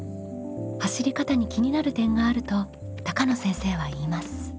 走り方に気になる点があると高野先生は言います。